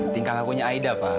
tingkah lagunya aida pa